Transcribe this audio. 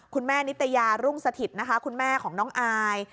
คุณแม่นิตยารุ่งสถิตนะคะคุณแม่ของน้องอาย